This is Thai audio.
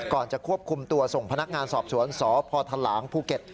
จะควบคุมตัวส่งพนักงานสอบสวนสพทหลางภูเก็ต